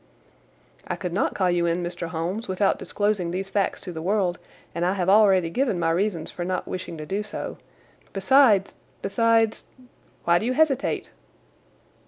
"I could not call you in, Mr. Holmes, without disclosing these facts to the world, and I have already given my reasons for not wishing to do so. Besides, besides—" "Why do you hesitate?"